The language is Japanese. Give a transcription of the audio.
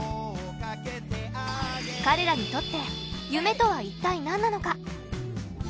彼らにとって夢とはいったい何なのか？